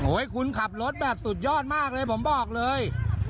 คุณขับรถแบบสุดยอดมากเลยผมบอกเลย